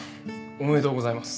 おめでとうございます。